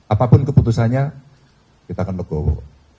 apapun keputusannya kita akan legowo